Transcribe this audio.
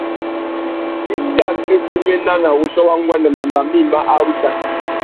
I tà fesséména nà wuchiô wa nguêndê mamba mïma a ru tsaka.